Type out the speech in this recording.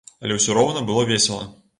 Але ўсё роўна было весела.